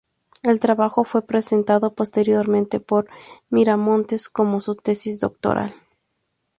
El trabajo fue presentado posteriormente por Miramontes como su tesis doctoral.